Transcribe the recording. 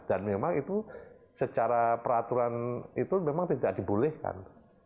dan memang itu secara peraturan itu memang tidak dibolehkan